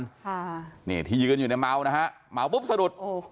ค่ะนี่ที่ยืนอยู่ในเมานะฮะเมาปุ๊บสะดุดโอ้โห